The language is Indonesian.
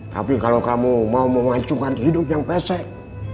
tapi kalau kamu mau memancungkan kehidupan yang pesek